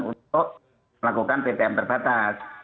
untuk melakukan ptm terbatas